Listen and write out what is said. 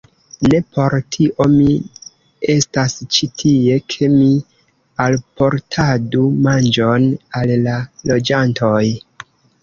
Ne por tio mi estas ĉi tie, ke mi alportadu manĝon al la loĝantoj.